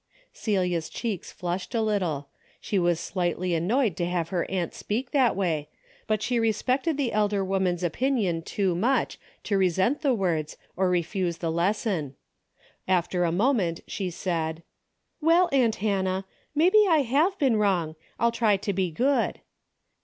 Celia's cheeks flushed a little. She was slightly annoyed to have her aunt speak in that way, but she respected the elder woman's opinion too much to resent the words or refuse the lesson. After a moment she said ; "Well, aunt Hannah, maybe I have been wrong, I'll try to be good."